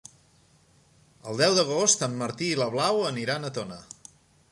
El deu d'agost en Martí i na Blau iran a Tona.